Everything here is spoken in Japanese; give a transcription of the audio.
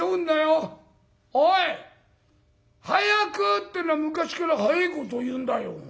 早くっていうのは昔から早えことを言うんだよ。